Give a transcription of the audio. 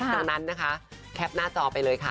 ดังนั้นนะคะแคปหน้าจอไปเลยค่ะ